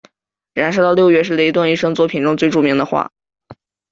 燃烧的六月是雷顿一生作品中最着名的画。